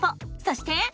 そして。